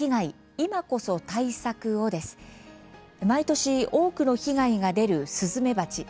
毎年多くの被害が出るスズメバチ。